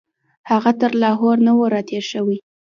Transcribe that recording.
هغه تر لاهور نه وو راتېر شوی.